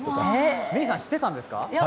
メイさん知ってたんですか？